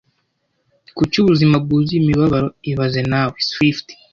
Kuki ubuzima bwuzuye imibabaro ibaze nawe(Swift)